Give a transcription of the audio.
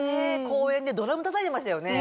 公園でドラムたたいてましたよね。